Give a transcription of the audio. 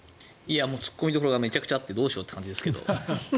突っ込みどころがめちゃくちゃあってどうしようという感じですけど。